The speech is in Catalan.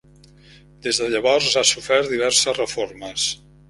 Des de llavors ha sofert diverses reformes.